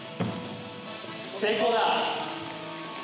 成功だ。